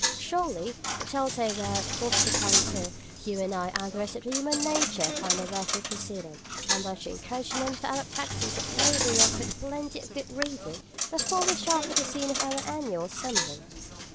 Surely in the telltale word "rusticantur" you and I and the rest of human nature find a worthy precedent and much encouragement for our practice of loading up with plenty of good reading before we start for the scene of our annual summering.